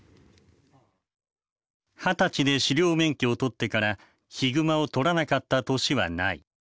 二十歳で狩猟免許を取ってからヒグマを捕らなかった年はない。